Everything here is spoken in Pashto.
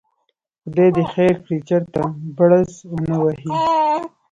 خدای دې خیر کړي، چېرته بړز ونه وهي.